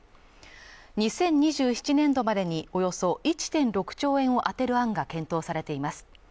２０２７年度までにおよそ１．６兆円を充てる案が検討されています